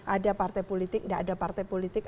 ada partai politik tidak ada partai politik